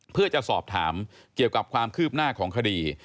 เพื่อจะสอบถามเกี่ยวกับความคืบหน้าของคดี